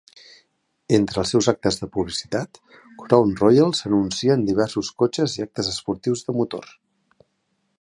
Entre els seus actes de publicitat, Crown Royal s'anuncia en diversos cotxes i actes esportius de motor.